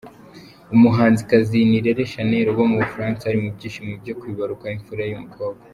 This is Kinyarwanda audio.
Umuhanzikazi Nirere Shanel uba mu Bufaransa ari mubyishimo byo kwibaruka imfura ye y’umukobwa.